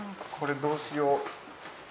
これどうしよう。